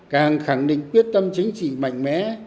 càng khẳng định quyết tâm chính trị mạnh mẽ